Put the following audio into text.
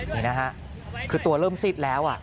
นี่นะฮะคือตัวเริ่มซิดแล้ว